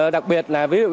đặc biệt là ví dụ như vậy